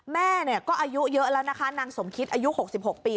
แม่เนี่ยก็อายุเยอะแล้วนะคะนางสมคิตอายุหกสิบหกปี